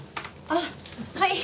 ああはい。